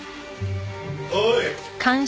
おい！